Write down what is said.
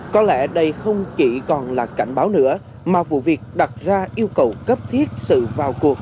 có lẽ đây không chỉ còn là cảnh báo nữa mà vụ việc đặt ra yêu cầu cấp thiết sự vào cuộc